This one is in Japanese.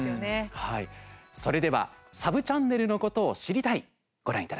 それでは「サブチャンネルのことを知りたい！」